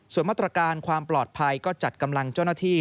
ส่วนมาตรการความปลอดภัยก็จัดกำลังเจ้าหน้าที่